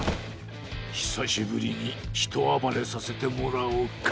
ひさしぶりにひとあばれさせてもらおうか。